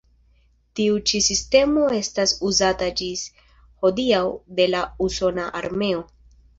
Tiu ĉi sistemo estas uzata ĝis hodiaŭ de la usona armeo.